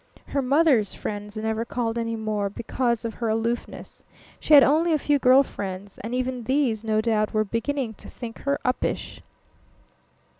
Her mother's friends never called any more, because of her aloofness. She had only a few girl friends, and even these no doubt were beginning to think her uppish.